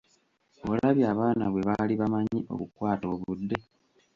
Olabye abaana bwe baali bamanyi okukwata obudde!